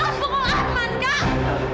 jangan pukul arman kak